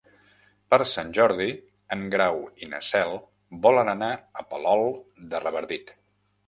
Per Sant Jordi en Grau i na Cel volen anar a Palol de Revardit.